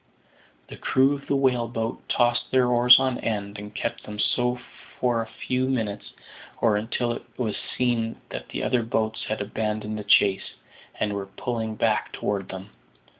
The crew of the whale boat tossed their oars on end, and kept them so for a few minutes, or until it was seen that the other boats had abandoned the chase, and were pulling back toward them.